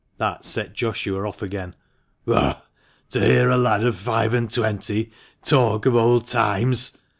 That set Joshua off again. " Ugh ! to hear a lad of five and twenty talk of old times